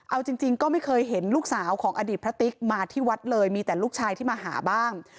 เอาจริงก็ไม่เคยเห็นลูกสาวของอดีตพระติ๊กมาที่วัดเลยมีแต่ลูกชายที่มาหาบ้าง